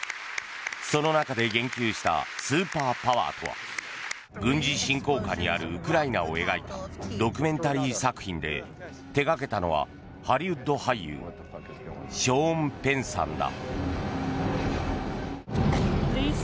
その中で言及した「スーパーパワー」とは軍事侵攻下にあるウクライナを描いたドキュメンタリー作品で手掛けたのはハリウッド俳優ショーン・ペンさんだ。